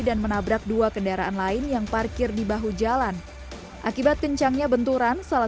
dan menabrak dua kendaraan lain yang parkir di bahu jalan akibat kencangnya benturan salah